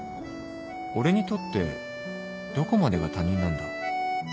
俺にとってどこまでが他人なんだ？